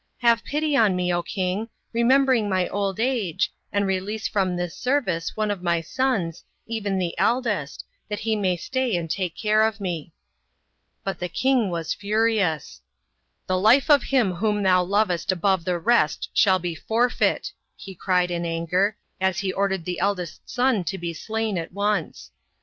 Have pity on me, king, remembering my old age, and release from this service, one of my sons, even the eldest, that he may stay and take care of me." But the king was furious. " The life of him whom thou lovest above the rest shall be forfeit," he cried in anger, as he prdered the eldest son to be slain at once.